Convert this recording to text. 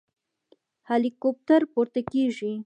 هليكاپټر پورته کېږي.